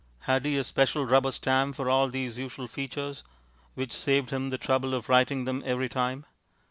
Had he a special rubber stamp for all these usual features, which saved him the trouble of writing them every time?